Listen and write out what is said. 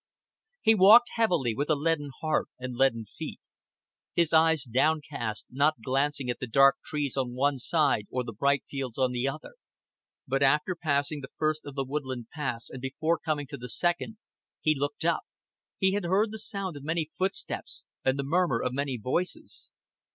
He walked heavily, with a leaden heart and leaden feet; his eyes downcast, not glancing at the dark trees on one side or the bright fields on, the other. But after passing the first of the woodland paths and before coming to the second, he looked up. He had heard the sound of many footsteps and the murmur of many voices.